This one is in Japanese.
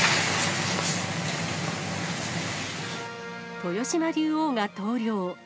豊島竜王が投了。